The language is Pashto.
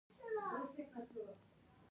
هغه یې د مسلمانانو کلي ته ورسوي.